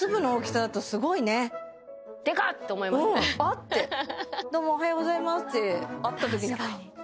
ってどうもおはようございますって会ったときにあっ！